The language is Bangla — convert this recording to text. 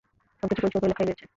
সবকিছু পরিষ্কার করে লেখাই রয়েছে!